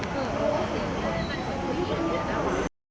ขอบคุณครับ